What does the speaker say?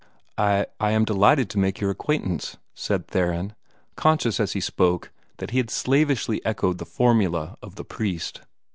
"I I am delighted to make your acquaintance," said Theron, conscious as he spoke that he had slavishly echoed the formula of the priest.